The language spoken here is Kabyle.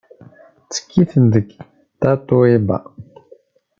Ttekkit deg Tatoeba.